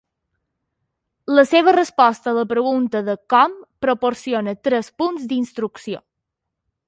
La seva resposta a la pregunta de "com" proporciona tres punts d'instrucció.